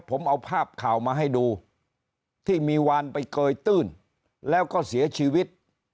ผมเอาภาพข่าวมาให้ดูที่มีวานไปเกยตื้นแล้วก็เสียชีวิต